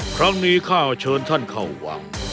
ครั้งนี้ข้าวเชิญท่านเข้าวัง